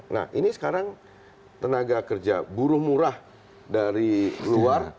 nah ini sekarang tenaga kerja buruh murah dari luar